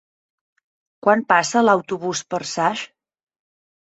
Quan passa l'autobús per Saix?